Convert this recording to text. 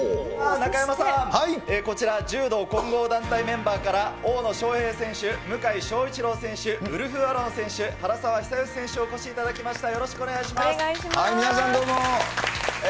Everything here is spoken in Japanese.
中山さん、こちら、柔道混合団体メンバーから大野将平選手、向翔一郎選手、ウルフ・アロン選手、原沢久喜選手、お越しいただきました、皆さん、どうも。